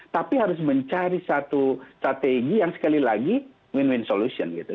tapi harus mencari satu strategi yang sekali lagi win win solution gitu